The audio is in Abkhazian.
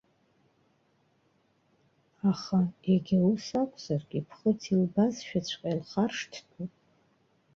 Аха, егьа ус акәзаргьы, ԥхыӡ илбазшәаҵәҟьа илхаршҭтәуп.